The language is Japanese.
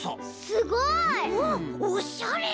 すごい！おしゃれ！